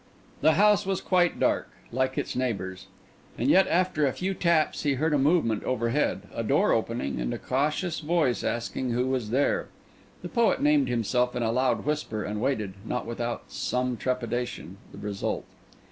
The house was quite dark, like its neighbours; and yet after a few taps, he heard a movement overhead, a door opening, and a cautious voice asking who was there. The poet named himself in a loud whisper, and waited, not without some trepidation, the result.